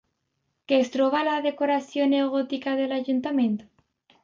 Què es troba a la decoració neogòtica de l'Ajuntament?